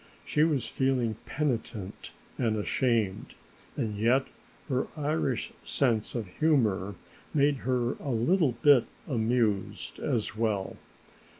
She was feeling penitent and ashamed, and yet her Irish sense of humor made her a little bit amused as well.